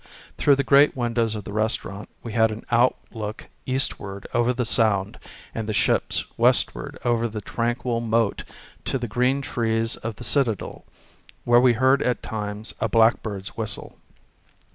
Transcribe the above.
Through the great windows of the restaurant wc had an outlook eastward over the Sound and the ships, westward over the tranquil moat to the green trees of the Citadel, where we heard at times a blackbird's whistle.